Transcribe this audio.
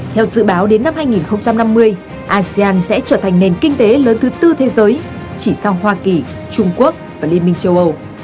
theo dự báo đến năm hai nghìn năm mươi asean sẽ trở thành nền kinh tế lớn thứ tư thế giới chỉ sau hoa kỳ trung quốc và liên minh châu âu